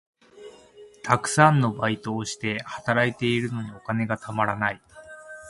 たくさんバイトをして、働いているのにお金がたまらない。